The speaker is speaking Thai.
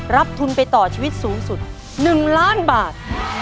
รับทุนไปต่อชีวิตสูงสุด๑ล้านบาท